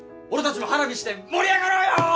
俺たちも花火して盛り上がろうよ。